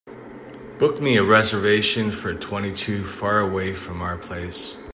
Book me a reservation for twenty two faraway from our place